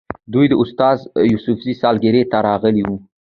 دوی د استاد یوسفزي سالګرې ته راغلي وو.